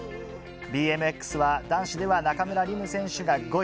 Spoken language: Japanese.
ＢＭＸは男子では中村輪夢選手が５位。